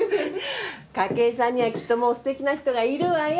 筧さんにはきっともうすてきな人がいるわよ。